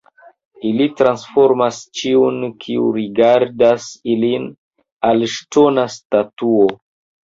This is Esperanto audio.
Ili transformas ĉiun, kiu rigardas ilin, al ŝtona statuo.